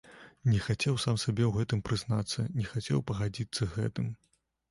Не хацеў сам сабе ў гэтым прызнацца, не хацеў пагадзіцца з гэтым.